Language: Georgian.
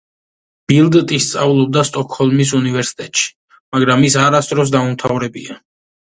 ბილდტი სწავლობდა სტოკჰოლმის უნივერსიტეტში, მაგრამ ის არასდროს დაუმთავრებია.